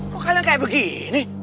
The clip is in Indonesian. kok kalian kayak begini